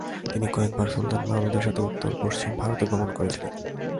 তিনি কয়েকবার সুলতান মাহমুদের সাথে উত্তর-পশ্চিম ভারতে গমন করে ছিলেন।